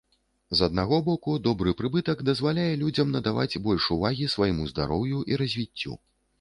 З аднаго боку, добры прыбытак дазваляе людзям надаваць больш увагі свайму здароўю і развіццю.